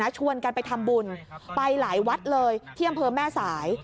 ชวนกันไปทำบุญไปหลายวัดเลยที่อำเภอแม่สาย